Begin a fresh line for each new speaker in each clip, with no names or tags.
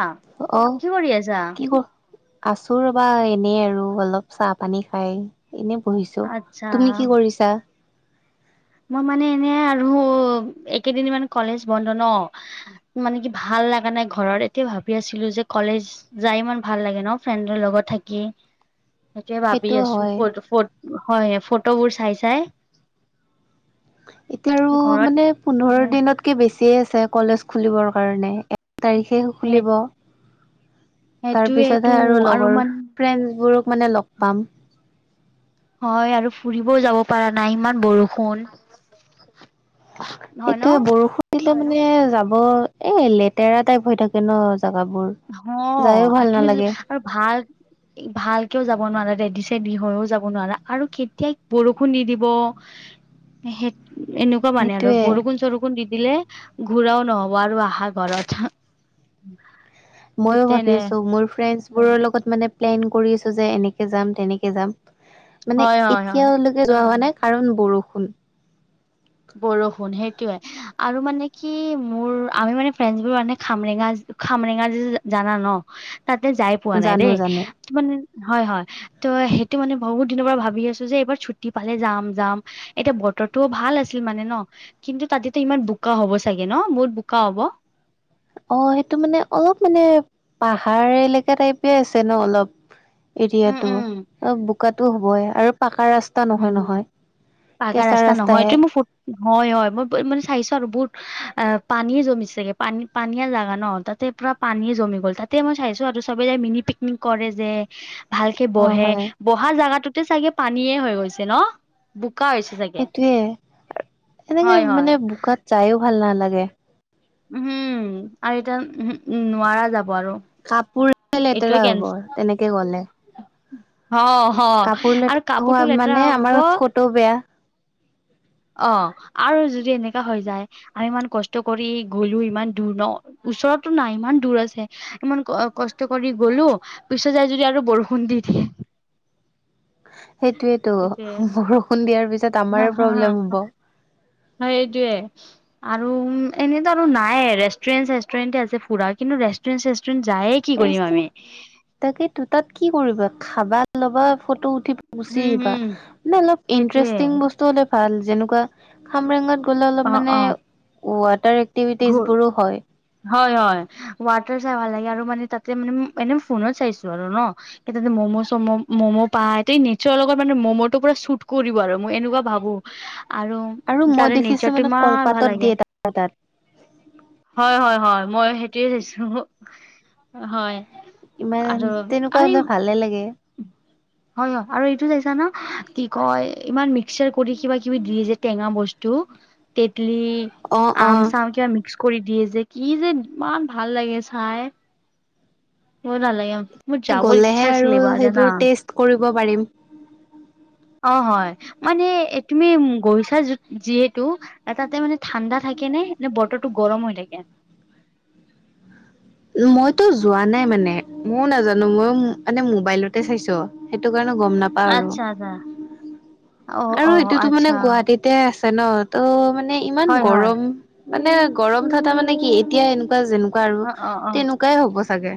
কি
অ',
কৰি আছা?
কি কৰ আছো ৰ'বা, এনেই আৰু অলপ চাহ পানী খাই এনে বহিছোঁ,
আচ্ছা
তুমি কি কৰিছা?
মই মানে এনে আৰু একেইদিন মানে কলেজ বন্ধ ন'। মানে কি ভাল লগা নাই ঘৰত, এতিয়া ভাবি আছিলো যে কলেজ যাই ইমান ভাল লাগে ন ফ্ৰেণ্ডৰ লগত থাকি। সেইটোৱে ভাবি
সেইটো
আছো
হয়
ফ হয় ফটোবোৰ চাই চাই।
এতিয়া আৰু
ঘৰত
মানে পোন্ধৰ দিনতকে বেছিয়ে আছে কলেজ খুলিবৰ কাৰণে। তাৰিখে
সেই
খুলিব। তাৰ
সেইটোয়েটো
পিছতহে আৰু লগৰ
মান
ফ্ৰেণ্ড বোৰক মানে লগ পাম।
হয় আৰু ফুৰিবও যাব পৰা নাই ইমান বৰষুণ। হয় ন
সেইটোয়ে বৰষুণ দিলে মানে যাব এ লেতেৰা টাইপ হৈ থাকে ন জোগাবোৰ।
অ'
যায়ো ভাল
আৰু তুমি
নালাগে
আৰু ভাল ভালকেও যাব নোৱাৰা ৰেডি চেডি হৈও যাব নোৱাৰা আৰু কেতিয়া বৰষুণ দি দিব।
উ [inaudible]
সে এনেকুৱা মানে আৰু বৰষুণ চৰ দি দিলে ঘূৰাও নহব আৰু আহা ঘৰত। উম [inaudible]
ময়ো ভাবি আছো মোৰ ফ্ৰেন্ডচ বোৰৰ লগত মানে প্লেন কৰি আছো যে এনেকে যাম তেনেকে যাম মানে
হয় হয় হয়
এতিয়া যোৱা হোৱা নাই কাৰণ বৰষুণ।
বৰষুণ সেইটোয়ে। আৰু মানে কি মোৰ আমি মানে ফ্ৰেড বোৰ মানে খামৰেঙা খামৰেঙা য জানা ন? তাতে যাই পোৱা নাই
জানো
দেই,
জানো
হয় হয় ত' সেইটো মানে বহুত দিনৰ পৰা ভাবি আছো যে এইবাৰ ছুটি পালে যাম যাম এতিয়া বতৰটোও ভাল আছে আছিল মানে ন কিন্তু তাতেতো ইমান বোকা হ'ব চাগে ন, মহুত বোকা হ'ব।
অ' সেইটো মানে অলপ মানে পাহাৰ এলেকা টাইপে আছে ন অলপ।
উম উম
এৰিয়াটো অ' বোকাতটো হ'বই আৰু পাকা ৰাস্তা
হম
নহয়
হম
নহয়
পাকা
কেঁচা
ৰাস্তা নহয়
ৰাস্তাহে।
এইটো মোৰ ফুট হয়, হয় মই মানে চাইছো আৰু বহুত অ' পানীয় জমিছাগে পানী পানীয়া জাগা ন তাতে পুৰা পানীয়ে জমি গ'ল তাতে মই চাইছো আৰু চবে যাই মিনি পিকনিক কৰে যে। ভালকে
অ
বহে
হয়
বহা জোগাটোতে চাগে পানীয়েে হৈ গ'ল। হৈছে ন বোকা হৈছে চাগে।
সেইটোয়ে এনেকে
হয় হয়
মানে বোকাত যাইও ভাল নালাগে।
উ হম আৰু এতিয়া উ উম নোৱাৰা যাব আৰু।
কাপোৰহে
এইটোৱে
লেতেৰা
কেন
হ'ব তেনেকে গ'লে।
অ হ আৰু কাপোৰতটো লেতেৰা হ'ব
ত' বেয়া
অ আৰু যদি এনেকা হৈ যায়। আমি ইমান কষ্ট কৰি গলো ইমান দূৰ ন, ওচৰতো নাই ইমান দূৰ আছে। ইমান কষ্ট কৰি গ'লো পিছত যাই যদি আৰু বৰষুণ দি দিয়ে।
সেইটোৱেটো
এইটোৱে
বৰষুণ দিয়াৰ পিছত আমাৰ প্ৰব্লেম হ'ব।
হয় সেইটোৱে। আৰু এনেতো আৰু নাই ৱে ৰেষ্টুৰেণ্ট চেষ্টুৰেণ্টে আছে ফুৰা কিন্তু ৰেষ্টুৰেণ্ট চেষ্টুৰেণ্ট যায় কি কৰিম আমি?
তাকেই তো তাত কি কৰিবা খাবা, ল'বা, ফটো উঠিবা গুচি
উম
আহিবা
হম
মানে অলপ
সেইটোৱে
ইণ্টাৰেষ্টিং বস্তু হ'লে ভাল যেনেকুৱা খামৰেঙত গ'লে অলপ
অ
মানে
অ
ৱাটাৰ
ঘূ
এক্টিভিটিজ বোৰো হয়।
হয় হয় ৱাটাৰ চাই ভাল লাগে আৰু মানে তাতে মানে এনে ফোনত চাইছো আৰু ন সেই তাতে ম'ম' চম ম'ম' পায় ত নেচাৰ লগত মানে ম'ম'টো পুৰা শুট কৰিব আৰু মই এনেকুৱা ভাবো। আৰু
আৰু মই
তাৰে
দেখিছোঁ
নেচাৰটো
মানে,
ইমান ভাল
কলপাতত
লাগে
দিয়ে তাত।
হয় হয়, হয়। মই সেইটোৱে চাইছোঁ, হয়।
ইমান,
আৰু
তেনেকুৱা
আৰু
হ'লে ভালে লাগে।
হয় হয়, আৰু এইটো চাইছা ন', কি কয়, ইমান মিক্সাৰ কৰি, কিবা কিবি দিয়ে যে টেঙা বস্তু। তেতেলী
অ',
আম
অ',
চাম কিবা মিক্স কৰি দিয়ে যে, কি যে ইমান ভাল লাগে চাই। নালাগেই আৰু।
গ'লেহে আৰু সেইবোৰ টেষ্ট কৰিব পাৰিম।
অ', হয়, মানে তুমি গৈছা যিহেতু তাতে মানে ঠাণ্ডা থাকে নে, নে বতৰটো গৰম হৈ থাকে?
মইতো যোৱা নাই মানে, ময়োও নাজানো ময়ো মানে মোবাইলতে চাইছোঁ। সেইটো কাৰণে গ'ম নাপাও আৰু,
আচ্ছা আচ্ছা অ
আৰু
অ
সেইটোটো মানে
আচ্ছা
গুৱাহাটীত তাতে আছে ন', ত' মানে ইমান
হয় হয়
গৰম। মানে গৰম থকা মানে কি, এতিয়া এনেকুৱা যেনেকুৱা আৰু
অ, অ, অ'।
ই হ'ব চাগে।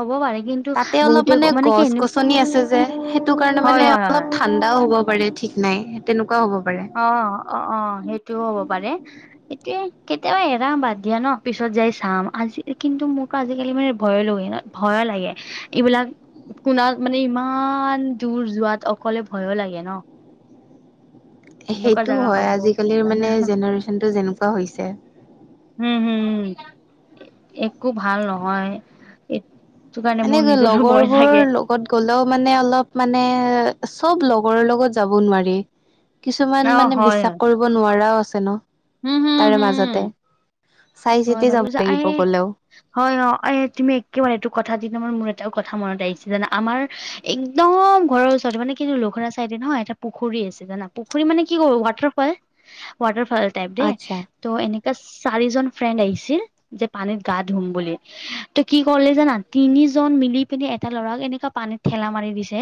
হ'ব পাৰে, কিন্তু
তাতে অলপ
বহুতে
মানে
কি
গছ
এনে
গছনি আছে যে, সেইটো কাৰণে
হয়
মানে
হয়
অলপ
হয়
ঠাণ্ডাও হ'ব পাৰে, ঠিক নাই তেনেকুৱা হ'ব পাৰে।
অ, অ, অ', সেইটোও হ'ব পাৰে। এতিয়া, কেতিয়াবা এৰা বাদ দিয়া ন', পিছত যাই চাম, আজি কিন্তু মোক আজিকালি মানে ভয়, ভয় লাগে, এইবিলাক মানে ইমান দূৰ যোৱাত, অকলে ভয়ো লাগে ন'। এনেকুৱা
সেইটোও
জেগা
হয়,
হ'ব
আজিকালিৰ মানে জেনেৰেচনটো যেনেকুৱা হৈছে।
উম, হম, একো ভাল নহয়। সেইটো কাৰণে
মানে
মোৰ নিজৰো ভয়
লগৰবোৰৰ
লাগে।
লগত গ'লেও মানে, অলপ মানে চব লগৰৰ লগত যাব নোৱাৰি।
অ
কিছুমান মানে বিশ্বাস কৰিব নোৱাৰাও আছে ন'।
উম, হুম।
তাৰে মাজতে, চাই চিতি
বাৰু
যাব লাগিব
এই
গ'লেও।
হয়, অ', এই তুমি একেবাৰে এইটো কথা দি তোমাৰ [unintelligible] মোৰ এটাও কথা মনত আহিছে জানা, আমাৰ একদম ঘৰৰ ওচৰতে মানে কিন্তু, লঘুৰা চাইডে ন ', এটা পুখুৰী আছে জানা, পুখুৰী মানে কি, ৱাটাৰফল ৱাটাৰ ফল টাইপ দে,
আচ্ছা
ত', এনেকা চাৰিজন ফ্ৰেণ্ড আহিছিল যে, পানীত গা ধুম বুলি। ত', কি কৰিলে জানা, তিনিজন মিলি পিনে, এটা ল'ৰাক এনেকা পানীত ঠেলা মাৰি দিছে।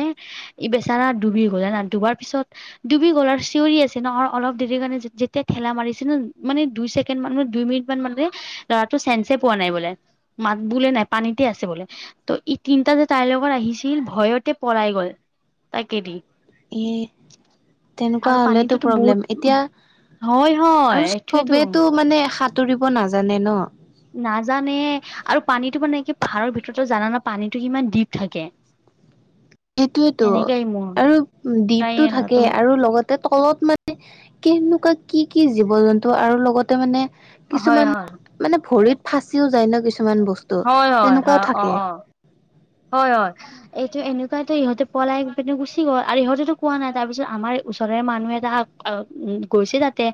ই বেচাৰা ডুবি গ'ল জানা, ডুবাৰ পিছত ডুবি গ'ল আৰু চিঞৰি আছে ন', অলপ দেৰি কাৰণে যেতিয়া ঠেলা মাৰিছে ন', মানে দুই ছেকেণ্ড মান, মানে দুই মিনিট মানে, ল'ৰাটো চেন্সে পোৱা নাই বোলে, মাত বোলে নাই, পানীতে আছে বোলে ত', ই তিনটা যে তাৰ লগত আহিছিল, ভয়তে পলাই গ'ল, তাক এৰি।
এ তেনেকুৱা হ'লেটো
পানীটোতো বহুত
প্ৰব্লেম, এতিয়া
হয় হয়
আৰু
এইটোৱেতো
চবেটো মানে সাত তৰিব নাজানে ন'?
নাজানে, আৰু পানীটো মানে কি, পাহাৰৰ ভিতৰতটো জানা ন', পানীটো কিমান ডীপ থাকে।
সেইটোৱেটো
সেনেকাই মোৰ
আৰু দ্বীপটো থাকেই
তাই
আৰু লগত তাৰ তলত মানে, কেনেকুৱা কি কি জীৱ জন্তু, আৰু লগতে মানে
হয়
কিছুমান
হয়
মানে ভৰিত ফচিও যায় ন', কিছুমান বস্তু
হয় হয় হয়
তেনেকুৱাও
অ
থাকে।
অ হয় হয়। এইটো এনেকুৱা এটা ইহঁতে পেলাই পিনে গুচি গ'ল, আৰু ইহঁতেটো কোৱা নাই, তাৰ পিছত আমাৰ ওচৰৰে মানুহে এটা অ', গৈছে তাতে,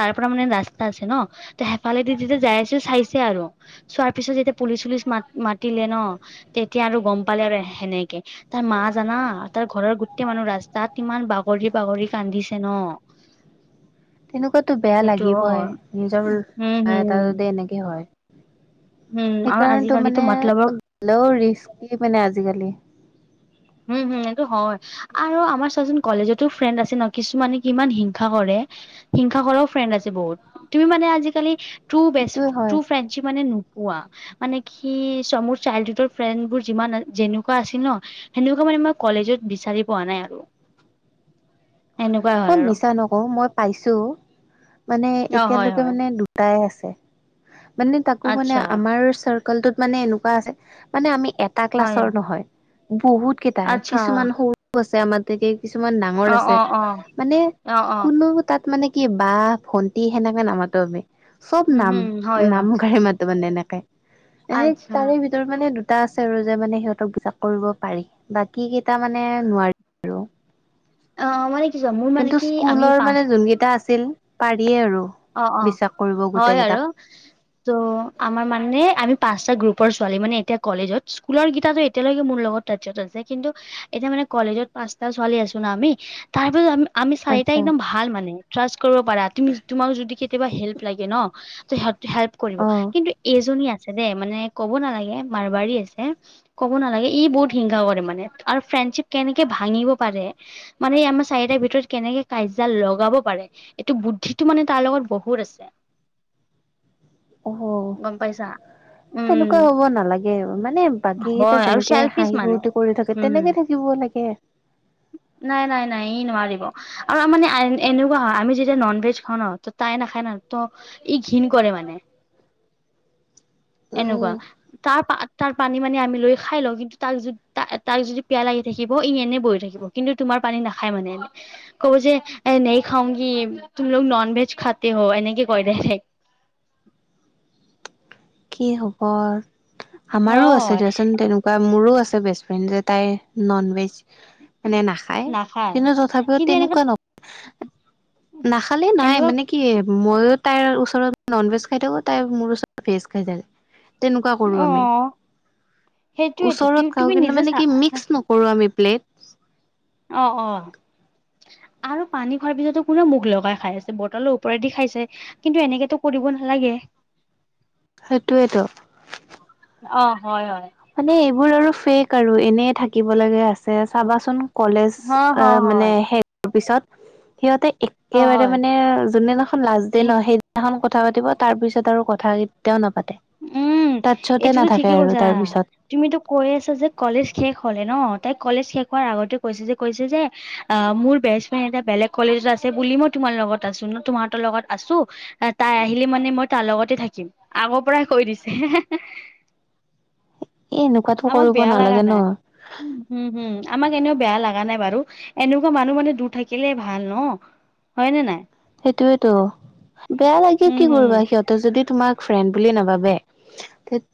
তাৰ পৰা মানে ৰাস্তা আছে ন'। ত', সেইফালে দি যি যাই আছে, চাইছে আৰু। চোৱাৰ পিছত যেতিয়া পুলিচ চুলিচ মা-মাতিলে নহ, তেতিয়া আৰু গম পালে আৰু সেনেকে। তাৰ মা জানা, তাৰ ঘৰৰ গোটেই মানুহ ৰাস্তাত ইমান বাগৰি বাগৰি কান্দিছে নহ।
তেনেকুৱাতো বেয়া
সেইটো
লাগিবই,
হয়
নিজৰ
উম
[unintelligible] এটা
হম
যদি এনেকে হয়।
উম আৰু
সেইকাৰণেতো
আজিকালিতো
মানে,
মতলবৰ
গলেও ৰিস্কি মানে আজিকালি।
উম, হম, এইটো হয়। আৰু আমাৰ চোৱাচোন কলেজতো ফ্ৰেণ্ড আছে নহ, কিছুমানে কিমান হিংসা কৰে হিংসা কৰাও ফ্ৰেণ্ড আছে বহুত, তুমি মানে আজিকালি ট্ৰু বেষ্ট
সেইটোয়ে হয়
মানে কোৱা, মানে কি চ মোৰ চাইল্ডহুডৰ ফ্ৰেণ্ড বোৰ যিমান যেনেকুৱা আছিল নহ সেনেকুৱা মানে মই কলেজত বিচাৰি পোৱা নাই আৰু। এনেকুৱাই
মই
হ'ল আৰু।
মিছা নকওঁ মই পাইছো, মানে
অ', হয়,
এতিয়ালৈকে
হয়,
মানে দুটাই আছে। মানে তাকো মানে
আচ্ছা,
আমাৰ চাৰ্কলটোত মানে এনেকুৱা আছে, মানে আমি এ এটা
হয়,
ক্লাছৰ নহয় বহুত কেইটা,
আচ্ছা,
কিছুমান সৰু আছে আমাৰ কিছুমান
অ',
ডাঙৰ আছে,
অ', অ',
মানে
অ', অ',
কোনো তাত মানে কি বাহ, ভন্টি সেনেকাে নামাতো, চব
উম,
নাম
হুম, হয়, হয়,
নাম কাৰি মাত ত মানে এনেকে, এনে
আচ্ছা।
তাৰে ভিতৰত মানে দুটা আছে আৰু যে মানে সিহঁতক বিশাস কৰিব পাৰি। বাকী কেইটা মানে নোৱাৰি আৰু।
অ', [unintelligible] মানে
কিন্তু
কি আমি
স্কুলৰ
পাঁচ
মানে যোন কেইটা আছিল পাৰিয়ে আৰু।
অ', অ',
বিশ্বাস কৰিব
হয়
গোটেই কেইটাক।
আৰু। ত' আমাৰ মানে আমি পাঁচটা গ্ৰুপৰ ছোৱালী, মানে এতিয়া কলেজত স্কুলৰ গেইটাটো এতিয়ালৈকে মোৰ লগত ত আছে কিন্তু এতিয়া মানে কলেজত পাঁচটা ছোৱালী আছো নহ আমি, তাৰ পিছত আমি আমি চাৰীটা
আচ্ছা।
একদম ভাল মানে, ট্ৰাষ্ট কৰিব পাৰা তুমি তোমাৰো যদি কেতিয়াবা হেল্প লাগে নহ, সহ হেল্প কৰিব
অ',
কিন্তু এইজনী আছে দে, মানে ক'ব নালাগে মাৰবাৰী আছে। ক'ব নালাগে ই বহুত হিংসা কৰে মানে, আৰু ফ্ৰেণ্ডশ্বিপ কেনেকে ভাঙিব পাৰে মানে আমাৰ চাৰিটাৰ ভিতৰত কেনেকে কাইজা লগাব পাৰে, এইটো বুদ্ধি টো মানে তাৰ লগত বহুত আছে,
অ'।
গম পাইছা।
তেনেকুৱা
উম
হ'ব নালাগে, মানে বাকীকেটা
হয় আৰু
যেনেকে
চেলফিচ
হাঁহি
মানে
ফূৰ্তি কৰি থাকে
উম হম
তেনেকে থাক থাকিব লাগে।
নাই, নাই, নাই, ই নোৱাৰিব। আৰু মানে এনেকুৱা হয় আমি যেতিয়া নন ভেজ খাওঁ নহ, ত' তাই নাখায় নহ ত ই ঘৃণ কৰে মানে। এনেকুৱা,
উম,
তাৰপা তাৰ পানী মানি আমি লৈ খাই লওঁ, কিন্তু তাক যদি ত তাক যদি পিয়া লাগি থাকিব ই এনেই বহি থাকিব। কিন্তু তোমাৰ পানী নাখায় মানে এনে। কয় যে এ নেহি খাওঁগি, তুম লগ নন ভেজ খাতে হ' এনেকে কৈ ডাইৰেক্ট।
কি হ'ব, আমাৰো আছে
হয়
দিয়াচোন তেনেক বা মোৰো আছে বেষ্ট ফ্ৰেণ্ড, যে তাই নন ভেজ মানে না খাই,
নাখায়
কিন্তু তথাপিও
কিন্তু এনেকুৱা
তেনেকুৱা নক নাখালে নাই,
এনেকুৱা
মানে কি মইও তাইৰ ওচৰত নন ভেজ খাই থাকো, তাই মোৰ ওচৰত ভেজ খাই থাকে। তেনেকুৱা কৰো
অ
আমি,
সেইটোয়েতো
ওচৰত
তুমি
খাওঁ কিন্তু
নিজে
মানে
চা
কি মিক্স নক নকৰো আমি প্লেট।
অ', অ'। আৰু পানী খোৱাৰ পিছতো [unintelligible] মুখ লগাই খাই আছে, বটলৰ ওপৰেদি খাইছে। কিন্তু এনেকেতো কৰিব নালাগে।
সেইটোৱেতো।
অ', হয়, হয়।
মানে এইবোৰ আৰু ফেক আৰু, এনে থাকিব লাগা আছে চাবাচোন কলেজ, মানে
হয়
শেষ হোৱাৰ পিছত সিহঁতে
অ
একেবাৰে
হয়
মানে যোনদিনাখন লাষ্ট দে নহ, সেইদি এখন কথা পাতিব তাৰ পিছত আৰু কথা কেতিয়াও নাপাতে।
উম
তাট্ছতে
এইটোতো ঠিকে
নাথাকে
কৈছা
আৰু তাৰ পিছত।
তুমিতো কৈ আছা যে কলেজ শেষ হলে ন তাই কলেজ শেষ হোৱাৰ আগতে কৈছে যে কৈছে যে অ', মোৰ বেষ্ট ফ্ৰেণ্ড এটা বেলেগ কলেজত আছে বুলি মই তোমাৰ লগত আছোঁ ন [unintelligible] লগত আছোঁ। তাই আহিলে মানে মই তাৰ লগতে থাকিম আগৰ পৰাই কৈ দিছে।
এ, এনেকুৱাতো
আমাক
কৰিব
বেয়া লগা
নালাগে
নাই
ন?
উম, উম, আমাক এনেও বেয়া লগা নাই বাৰু এনেকুৱা মানুহ মানে দূৰ থাকিলে ভাল ন? হয়নে নাই?
সেইটোৱেইতো বেয়া লাগে,
উম
কি
হুম
কৰিবা সিহঁত সিহঁতে যদি তোমাক ফ্ৰেণ্ড বুলি নাভাবে,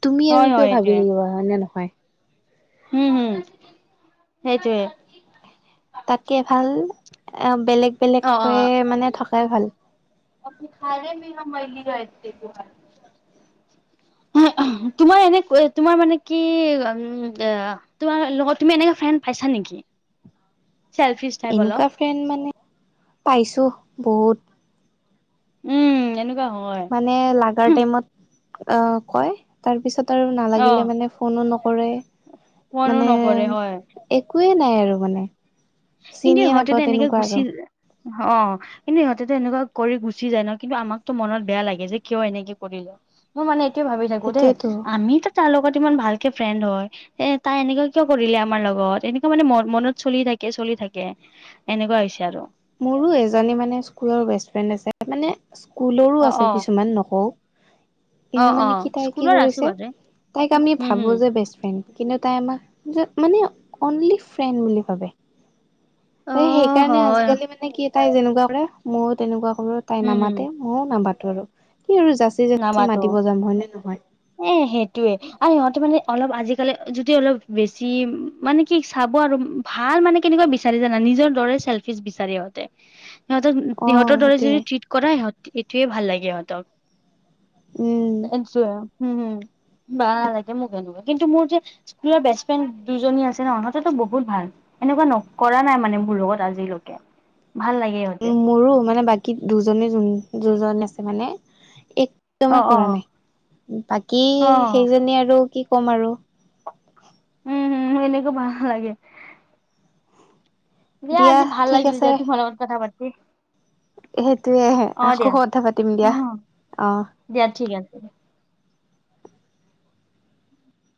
তুমি
হয়
আৰু
হয়
কিয় ভাবি থাকিবা হয় নে নহয়?
হুম, হুম সেইটোৱেই।
তাতকে ভাল এ বেলেগ
অ', অ'
বেলেগকে মানে থকাই ভাল।
[unintelligible] তোমাৰ এনেকৈ তোমাৰ মানে কি উম, আ। তোমাৰ লগত তুমি এনেকা ফ্ৰেণ্ড পাইছা নেকি?
[inaudible]
চেল্ফিছ টাইপ অলপ।
এনেকুৱা ফ্ৰেণ্ড মানে পাইছোঁ বহুত।
উম, এনেকুৱা হয়।
মানে লাগাৰ টাইমত আ, কয় তাৰপিছত আৰু
অ
নালাগিলে মানে ফোনো নকৰে
ফোনো
মানে
নকৰে হয়
একোৱেই নাই আৰু মানে।
কিন্তু
চিনিয়ে
ইহঁতেতো
নাপাওঁ
এনেকে
তেনেকুৱা
গুচি
আৰু।
অ'। কিন্তু সিহঁতেতো এনেকুৱা কৰি গুচি যায় ন, কিন্তু আমাকটো মনত বেয়া লাগে যে কিয় এনেকে কৰিল? মই মানে এইটোয়ে ভাবি থাকোঁ দেই
সেইটোয়েতো
আমিতো তাৰ লগত ইমান ভালকে ফ্ৰেণ্ড হয় এ, তাই এনেকুৱা কিয় কৰিলে আমাৰ লগত এনেকুৱা মানে ম-মনত চলি থাকে। কে চলি থাকে এনেকুৱা হৈছে আৰু।
মোৰো এজনী মানে স্কুলৰ বেষ্ট ফ্ৰেণ্ড আছে মানে স্কুলৰো
অ
আছে
অ
কিছুমান নকওঁ।
অ
কিন্ত
অ
মানে কি তাই কি
স্কুলৰ আছো
কৰিছে
বাৰু
তাইক আমি
উম হম
ভাবো যে বেষ্ট ফ্ৰেণ্ড কিন্তু তাই আমাক মানে অনলি ফ্ৰেণ্ড বুলি ভাবে।
অ
সেই সেইকাৰণে
হয়
আজিকালি মানে কি তাই যেনেকুৱা কৰে মইও তেনেকুৱা কৰোঁ, তাই
উম হম
নামাতে ম‌ইও নামাতো আৰু কি আৰু জাচি জাচি
নামাতো
মাতিব যাম হয় নে নহয়?
এ সেইটোয়ে আৰু সিহঁতি মানে অলপ আজিকালি যদি অলপ বেছি মানে কি চাব আৰু ভাল মানে কেনেকুৱা বিচাৰে জানা নিজৰ দৰে চেল্ফিছ বিচাৰে ইহঁতে।
[inaudible]
সিহঁতক-
অ
সিহঁতৰ দৰে
সেইটোৱে
যদি ট্ৰিট কৰা সি-সেইটোৱে ভাল লাগে সিহঁতক।
উম।
[unintelligible] বেয়া লাগে মোক এনেকুৱা কিন্তু মোৰ যে স্কুলৰ বেষ্ট ফ্ৰেণ্ড দুজনী আছে ন সিহঁতেতো বহুত ভাল। এনেকুৱা নক-কৰা নাই মানে মোৰ লগত আজিলৈকে ভাল লাগে সিহঁতে
মোৰো মানে বাকী দুজনে যোন- দুজন আছে মানে এক
অ
[unintelligible]
অ।
কৰা নাই, বাকী
অ
সেইজনী আৰু কি ক'ম আৰু?
উম, হুম, [unintelligible] ভাল লাগে। দিয়া আজি ভাল
ঠিক
লাগিল
আছে।
দিয়া তোমাৰ লগত কথা পাতি।
সেইটোৱেই
অ দিয়া
আকৌ কথা পাতিম দিয়া,
অ।
অ'।
দিয়া ঠিক আছে।